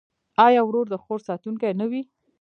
آیا ورور د خور ساتونکی نه وي؟